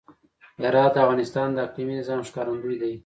هرات د افغانستان د اقلیمي نظام ښکارندوی دی.